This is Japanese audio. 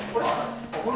これ？